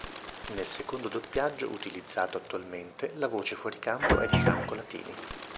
Nel secondo doppiaggio, utilizzato attualmente, la voce fuori-campo è di Franco Latini.